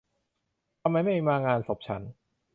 ทำไมไม่มางานศพฉัน